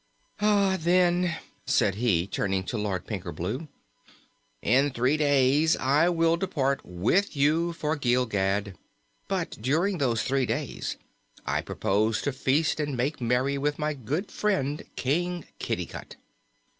"Then," said he, turning to Lord Pinkerbloo, "in three days I will depart with you for Gilgad; but during those three days I propose to feast and make merry with my good friend King Kitticut."